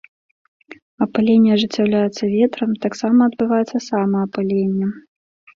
Апыленне ажыццяўляецца ветрам, таксама адбываецца самаапыленне.